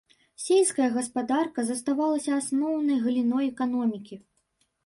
Сельская гаспадарка заставалася асноўнай галіной эканомікі.